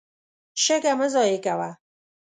شګه مه ضایع کوه.